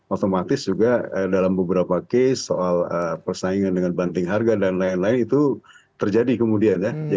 otomatis juga dalam beberapa case soal persaingan dengan banting harga dan lain lain itu terjadi kemudian ya